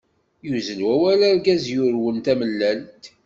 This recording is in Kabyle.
yuzzel wawal argaz yurwen tamellalt.